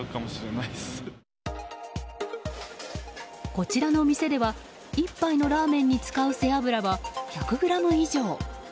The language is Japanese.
こちらの店では１杯のラーメンに使う背脂は１００ｇ以上。